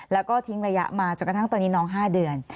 แล้วก็ทิ้งระยะมาจนกระทั่งตอนนี้น้อง๕เดือน